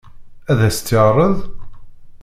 Ad as-tt-yeɛṛeḍ?